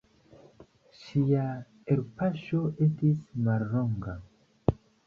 Ŝia elpaŝo estis mallonga.